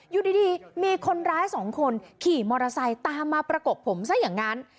อยู่ดีมีคนร้ายสองคนขี่มอเตอร์ไซค์ตามมาประกบผมซะอย่างนั้น